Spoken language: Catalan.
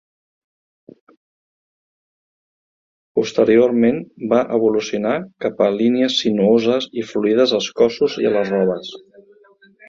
Posteriorment va evolucionar cap a línies sinuoses i fluides als cossos i a les robes.